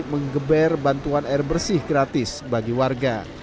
mengeber bantuan air bersih gratis bagi warga